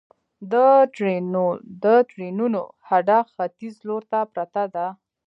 د ټرېنونو هډه ختیځ لور ته پرته ده